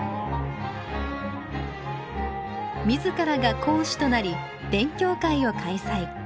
みずからが講師となり勉強会を開催。